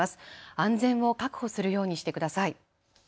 安全を確保するようにしてください。